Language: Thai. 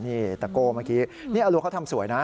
นี่ตะโก้เมื่อกี้นี่อรัวเขาทำสวยนะ